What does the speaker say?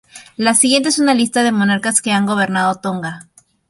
La siguiente es una lista de monarcas que han gobernado Tonga.